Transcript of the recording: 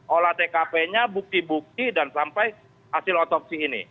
olah tkp nya bukti bukti dan sampai hasil otopsi ini